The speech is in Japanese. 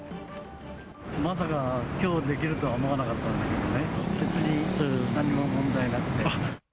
まさか、きょうできるとは思わなかったんでね、別に何も問題なくて。